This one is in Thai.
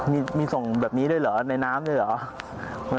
มีส่งแบบนี้ด้วยเหรอในน้ำด้วยเหรอ